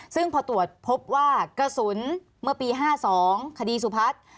ซึ่งพอตรวจพบว่ากระสุนเมื่อปี๕๒คดีสุพัฒน์